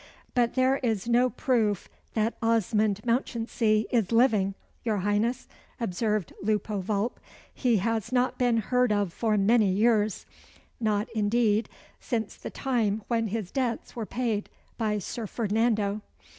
"But there is no proof that Osmond Mounchensey is living, your Highness," observed Lupo Vulp. "He has not been heard of for many years not, indeed, since the time when his debts were paid by Sir Ferdinando.